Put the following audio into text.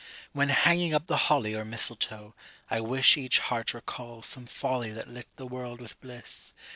When hanging up the holly or mistletoe, I wis Each heart recalls some folly that lit the world with bliss.